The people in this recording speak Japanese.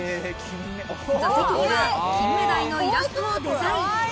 座席には金目鯛のイラストをデザイン。